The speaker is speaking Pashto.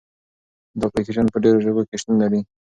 دا اپلیکیشن په ډېرو ژبو کې شتون لري.